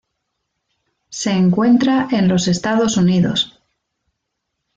Se encuentra en los Estados Unidos.